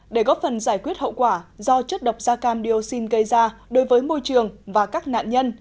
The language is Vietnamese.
để góp phần giải quyết hậu quả do chất độc da cam dioxin gây ra đối với môi trường và các nạn nhân